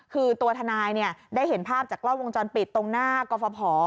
คือตัวทนายได้เห็นภาพจากกล้องวงจรปิดตรงหน้ากรฟภ